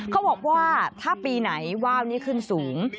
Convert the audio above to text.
เขาบอกว่าถ้าปีไหนว่าวนี่ขึ้นสูง